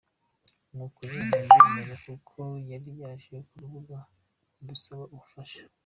Nuko nyine ndabyemera kuko yari yaje mu rugo kudusaba ubufasha.